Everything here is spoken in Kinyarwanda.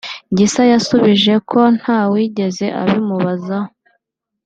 Gisa yasubije ko ntawigeze abimubazaho